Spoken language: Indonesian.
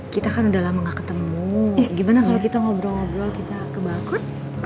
kita kan udah lama gak ketemu gimana kalau kita ngobrol ngobrol kita ke balcon